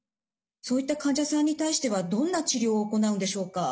そういった患者さんに対してはどんな治療を行うんでしょうか？